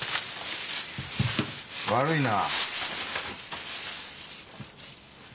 悪いな。